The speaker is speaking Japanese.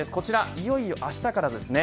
いよいよあしたからですね